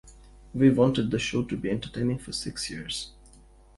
We wanted the show to be entertaining for six years.